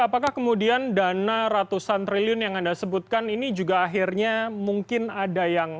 apakah kemudian dana ratusan triliun yang anda sebutkan ini juga akhirnya mungkin ada yang